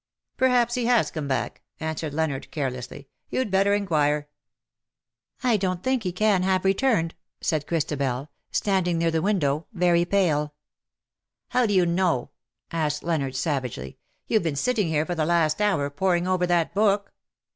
'^" Perhaps he has come back,'' answered Leonard, carelessly. " You'd better inquire.^^ ^' I don't think he can have returned,''^ said Christabel, standing near the window, very pale. " How do you know ?" asked Leonard, savagely. '^ You've been sitting here for the last hour poring over that book.